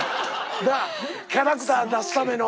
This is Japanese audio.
キャラクター出すための。